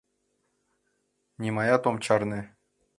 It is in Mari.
— Нимаят ом чарне!